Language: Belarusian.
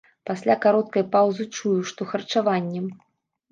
Пасля кароткай паўзы чую, што харчаваннем.